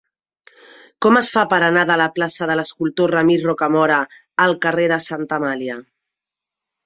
Com es fa per anar de la plaça de l'Escultor Ramir Rocamora al carrer de Santa Amàlia?